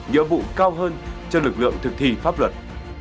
nhiệm vụ cao hơn cho lực lượng thực thi pháp luật